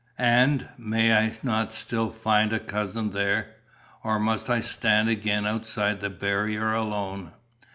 And, may I not still find a cousin there? Or must I stand again outside the barrier alone?"